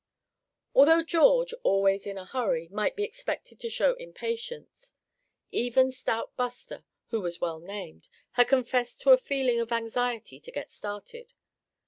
Although George, always in a hurry, might be expected to show impatience, even stout Buster, who was well named, had confessed to a feeling of anxiety to get started.